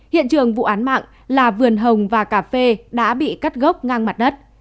hiện trường vụ án mạng là vườn hồng và cà phê đã bị cắt gốc ngang mặt đất